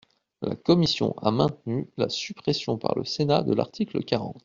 La commission a maintenu la suppression par le Sénat de l’article quarante.